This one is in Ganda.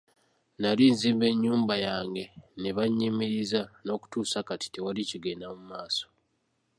Nnali nzimba ennyumba yange ne banyimiriza n'okutuusa kati tewali kigenda mu maaso.